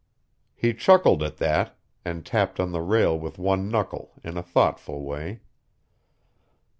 He chuckled at that, and tapped on the rail with one knuckle, in a thoughtful way.